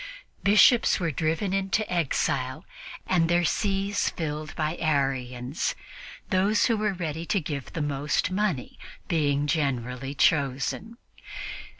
Bishops were driven into exile and their sees filled by Arians, those who were ready to give the most money being generally chosen.